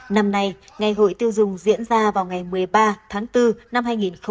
năm nay ngày hội tiêu dùng diễn ra vào ngày một mươi ba tháng bốn năm hai nghìn hai mươi